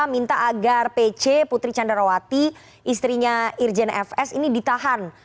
minta agar pc putri candrawati istrinya irjen fs ini ditahan